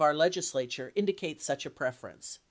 our Legislature indicates such a preference.